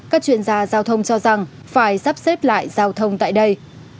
các chuyên gia giao thông cho rằng phải sắp xếp lại giao thông tại đây